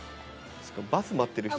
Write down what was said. バス待ってる人。